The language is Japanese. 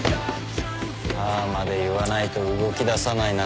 ああまで言わないと動きださないなんて